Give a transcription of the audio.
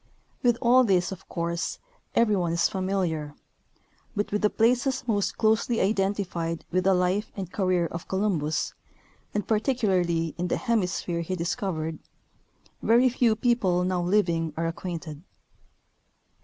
With all this, of course, every one is familiar; but with the places most closely identified with the life and career of Colum bus, and particularly in the hemisphere he discovered, very few people now living are acquainted.